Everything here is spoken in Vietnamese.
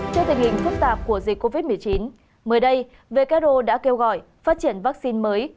trước tình hình phức tạp của dịch covid một mươi chín mới đây who đã kêu gọi phát triển vaccine mới